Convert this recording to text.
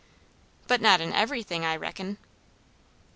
"But not in everything, I reckon?"